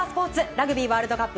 ラグビーワールドカップ